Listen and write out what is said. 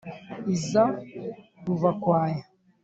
iza ruva-kwaya,